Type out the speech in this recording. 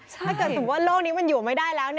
ถ้าเกิดสมมุติโลกนี้มันอยู่ไม่ได้แล้ว